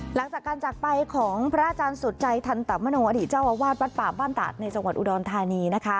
หลังจากการจักรไปของพระอาจารย์สุดใจทันตมโนอดีตเจ้าอาวาสวัดป่าบ้านตาดในจังหวัดอุดรธานีนะคะ